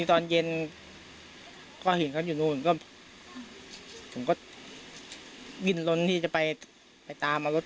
ตอนเย็นก็เห็นเขาอยู่นู่นก็ผมก็ดิ้นล้นที่จะไปไปตามเอารถ